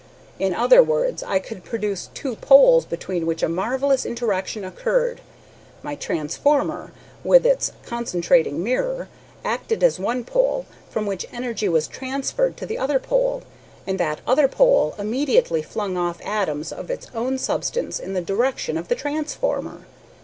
In other words, I could produce two poles between which a marvellous interaction occurred. My transformer, with its concentrating mirror, acted as one pole, from which energy was transferred to the other pole, and that other pole immediately flung off atoms of its own substance in the direction of the transformer.